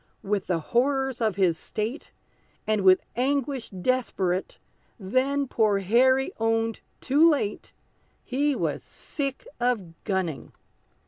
With the horrors of his state, And with anguish desperate, Then poor Harry owned too late, He was sick of gunning!